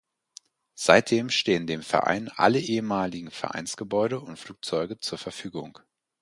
Seitdem stehen dem Verein alle ehemaligen Vereinsgebäude und Flugzeuge zur Verfügung.